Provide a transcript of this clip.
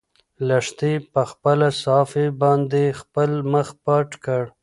لښتې په خپله صافه باندې خپل مخ پټ کړ.